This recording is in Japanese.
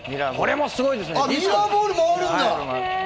これもすごいですね。